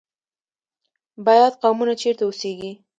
بیات قومونه چیرته اوسیږي؟